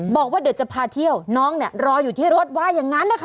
บอกว่าเดี๋ยวจะพาเที่ยวน้องเนี่ยรออยู่ที่รถว่าอย่างนั้นนะคะ